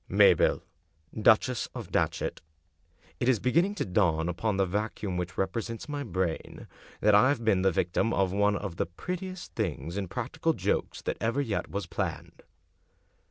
Mabel, Duchess of Datchet, it is beginning to dawn upon the vacuum which represents my brain that Fve been the victim of one of the prettiest things in practical jokes that ever yet was planned.